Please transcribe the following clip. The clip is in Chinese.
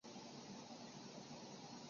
反切上字注声母。